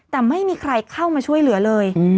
แต่ไม่มีใครเข้ามาช่วยเหลือเลย